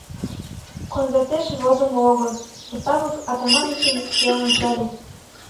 Конвертеш возымо огыл, — Остапов Атаманычым чоян ончале.